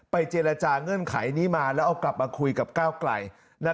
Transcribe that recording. เจรจาเงื่อนไขนี้มาแล้วเอากลับมาคุยกับก้าวไกล